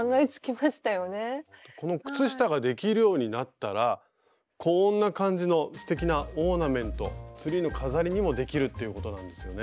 この靴下ができるようになったらこんな感じのすてきなオーナメントツリーの飾りにもできるっていうことなんですよね。